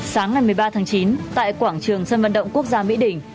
sáng ngày một mươi ba tháng chín tại quảng trường dân vận động quốc gia mỹ đỉnh